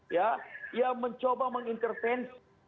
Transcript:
yang mencoba mengintervensi